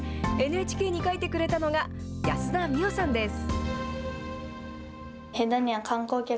ＮＨＫに書いてくれたのが、安田心桜さんです。